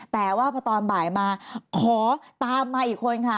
แต่ว่าพอตอนบ่ายมาขอตามมาอีกคนค่ะ